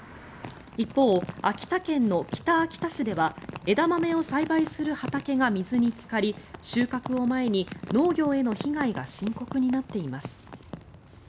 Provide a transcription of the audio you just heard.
一方、秋田県の北秋田市では枝豆を栽培する畑が水につかり収穫を前に、農業への被害が深刻になっています。